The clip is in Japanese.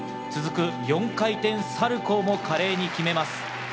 続く４回転サルコーも華麗に決めます。